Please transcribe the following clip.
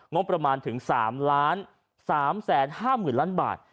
งบประมาณ๓๓๕๖๐๐๐บาท